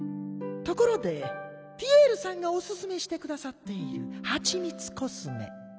ところでピエールさんがおすすめしてくださっているハチミツコスメ。